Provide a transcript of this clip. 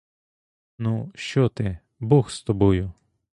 Ну, що ти, бог з тобою!